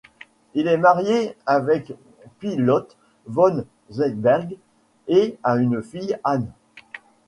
Il est marié avec Py-Lotte von Zweigbergk et a une fille, Anne.